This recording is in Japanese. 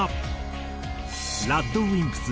ＲＡＤＷＩＭＰＳ